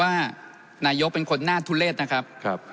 นายยกรรมนตรีเป็นคนหน้าทุเรศนะครับ